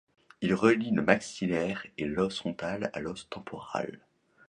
Il relie le maxillaire et l'os frontal à l'os temporal.